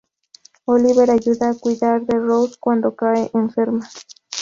Oliver ayuda a cuidar de Rose cuando cae enferma.